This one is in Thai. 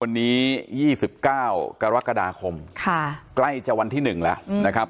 วันนี้๒๙กรกฎาคมใกล้จะวันที่๑แล้วนะครับ